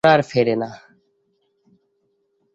ও ওরা আর ফেরে না।